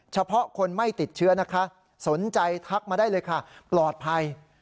เฉพาะคนไม่ติดเชื้อนะคะสนใจทักมาได้เลยค่ะปลอดภัย